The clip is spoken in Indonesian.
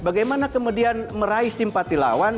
bagaimana kemudian meraih simpati lawan